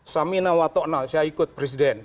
saya ikut presiden